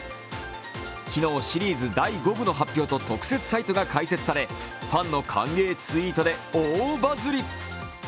昨日、シリーズ第５部の発表と特設サイトが開設されファンの歓迎ツイートで大バズリ。